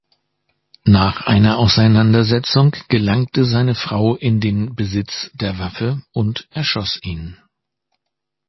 Nach einer Auseinandersetzung gelangte seine Frau in den Besitz der Waffe und erschoss ihn.